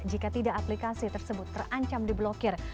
jika tidak aplikasi tersebut terancam diblokir